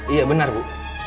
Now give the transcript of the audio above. iya benar bu